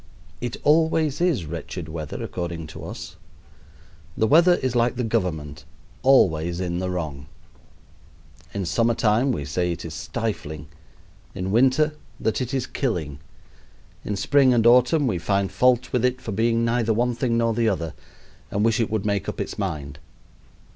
It always is wretched weather according to us. The weather is like the government always in the wrong. In summer time we say it is stifling; in winter that it is killing; in spring and autumn we find fault with it for being neither one thing nor the other and wish it would make up its mind.